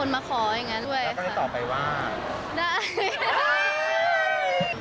เราก็ตามไปว่าแต่ไม่ได้ว่าต่อกัน